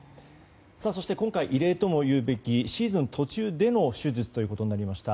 そして今回異例ともいうべきシーズン途中での手術となりました。